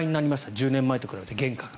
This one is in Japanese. １０年前と比べて原価が。